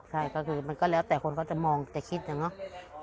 ใช่ก็คือมันก็แล้วแต่คนเขาจะมองจะคิดนะเนาะ